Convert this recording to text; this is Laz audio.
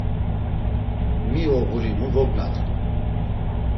Mi oğurinu vognaten.